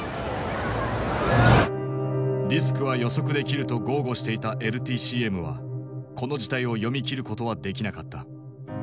リスクは予測できると豪語していたＬＴＣＭはこの事態を読み切ることはできなかった。